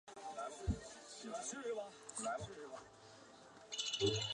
故居后园有顾亭林之墓和石马。